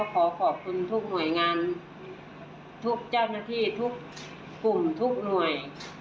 ขอขอบคุณทุกหน่วยงานทุกเจ้าหน้าที่ทุกกลุ่มทุกหน่วย